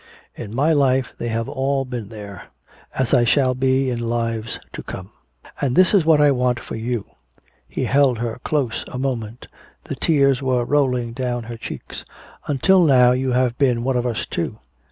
In my life they have all been here as I shall be in lives to come. "And this is what I want for you." He held her close a moment. The tears were rolling down her cheeks. "Until now you have been one of us, too.